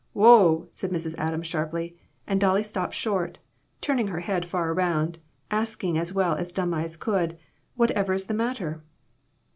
"Whoa!" said Mrs. Adams sharply, and Dolly stopped short, turning her head far around, ask ing as well as dumb eyes could, " Whatever is the matter